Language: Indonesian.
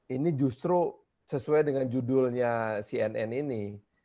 ini justru sesuai dengan judulnya cnn ini